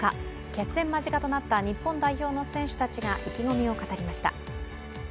決戦間近となった日本代表の選手たちが意気込みを語りました。